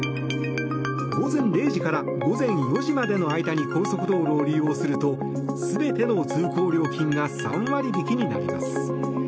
午前０時から午前４時までの間に高速道路を利用すると全ての通行料金が３割引きになります。